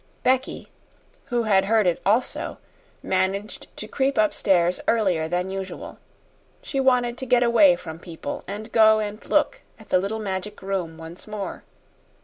Becky, who had heard it also, managed to creep up stairs earlier than usual. She wanted to get away from people and go and look at the little magic room once more.